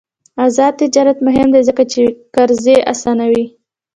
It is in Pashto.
آزاد تجارت مهم دی ځکه چې قرضې اسانوي.